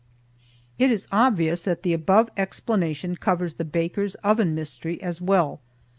It is obvious that the above explanation covers the baker's oven mystery as well.